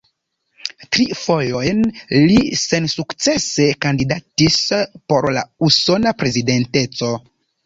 Tri fojojn li sensukcese kandidatis por la usona prezidenteco.